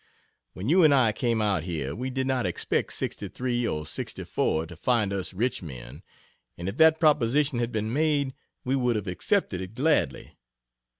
When you and I came out here, we did not expect '63 or '64 to find us rich men and if that proposition had been made, we would have accepted it gladly.